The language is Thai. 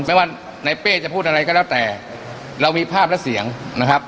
ไม่ว่าในเป้จะพูดอะไรก็แล้วแต่เรามีภาพและเสียงนะครับ